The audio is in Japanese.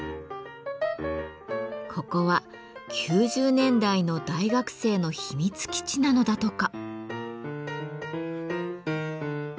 ここは９０年代の大学生の秘密基地なのだとか。